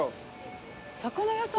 魚屋さん？